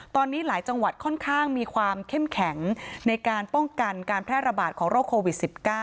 ตอนนี้หลายจังหวัดค่อนข้างมีความเข้มแข็งในการป้องกันการแพร่ระบาดของโรคโควิด๑๙